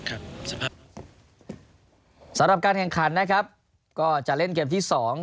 สำหรับการแข่งขันนะครับก็จะเล่นเกมที่สอง